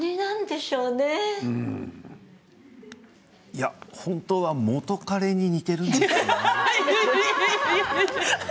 いや本当は元彼に似ているんです。